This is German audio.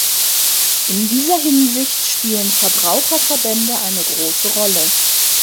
In dieser Hinsicht spielen Verbraucherverbände eine große Rolle.